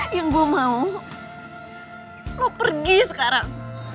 yang gue mau lo pergi sekarang